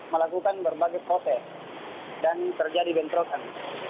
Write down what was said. melakukan berbagai proses dan terjadi bentrokan